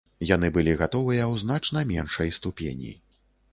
Яны былі гатовыя ў значна меншай ступені.